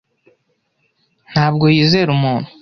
ntabwo yizera umuntu.